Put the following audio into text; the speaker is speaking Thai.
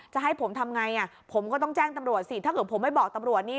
จะให้ผมทำไงผมก็ต้องแจ้งตำรวจสิถ้าเกิดผมไม่บอกตำรวจนี่